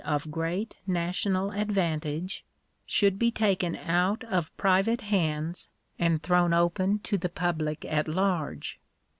of great national advantage — should be taken out of private I hands and thrown open to the public at large.